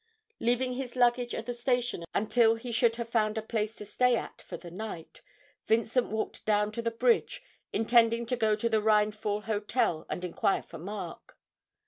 Leaving his luggage at the station until he should have found a place to stay at for the night, Vincent walked down to the bridge, intending to go to the Rheinfall Hotel and inquire for Mark.